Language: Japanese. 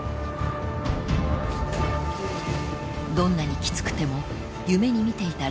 ［どんなにきつくても夢に見ていた『連獅子』］